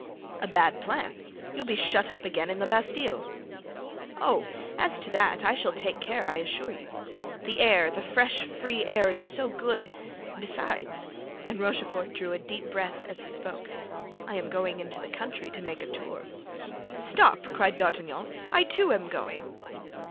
"A bad plan; you'll be shut up again in the Bastile." "Oh, as to that, I shall take care, I assure you. The air, the fresh, free air is so good; besides," and Rochefort drew a deep breath as he spoke, "I am going into the country to make a tour." "Stop," cried D'Artagnan; "I, too, am going."